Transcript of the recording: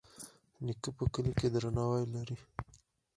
نیکه په کلي کې درناوی لري.